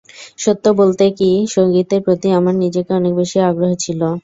সত্যি বলতে কী, সংগীতের প্রতি আমার নিজের অনেক বেশি আগ্রহ ছিল।